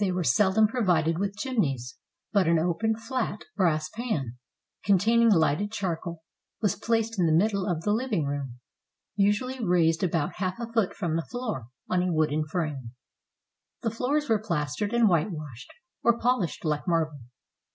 They were seldom provided with chimneys; but an open, fiat brass pan, containing lighted charcoal, was placed in the middle of the living room, usually raised about half a foot from the floor, on a wooden frame. The floors were plastered and whitewashed, or polished like marble.